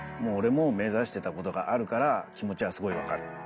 俺も目指してたことがあるから気持ちはすごい分かる。